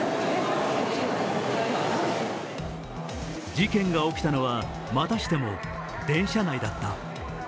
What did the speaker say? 事件が起きたのは、またしても電車内だった。